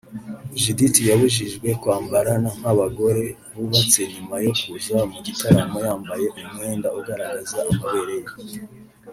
Judith yibukijwe kwambara nk’abagore bubatse nyuma yo kuza mu gitaramo yambaye umwenda ugaragaza amabere ye